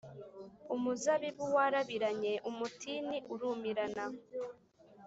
Umuzabibu warabiranye, umutini urumirana,